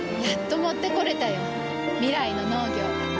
やっと持ってこれたよ。未来の農業。